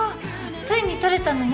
ついに取れたのね？